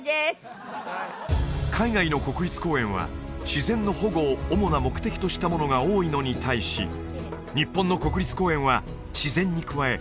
海外の国立公園は自然の保護を主な目的としたものが多いのに対し日本の国立公園は自然に加え